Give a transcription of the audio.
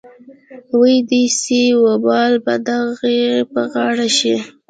وې دې سي وبال به د اغې په غاړه شي.